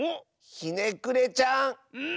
ひねくれちゃん。